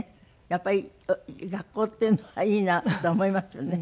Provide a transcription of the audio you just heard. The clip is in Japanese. やっぱり学校っていうのはいいなと思いますよね。